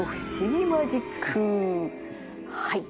はい。